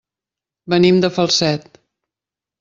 Venim de Falset.